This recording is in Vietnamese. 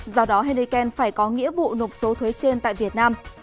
do đó henneken phải có nghĩa vụ nộp số thuế trên tại việt nam